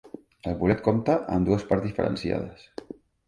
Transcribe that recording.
El bolet compta amb dues parts diferenciades.